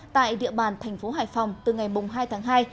tại địa bàn thành phố hải phòng từ ngày hai tháng hai